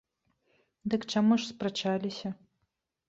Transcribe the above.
Дык чаму ж спрачаліся?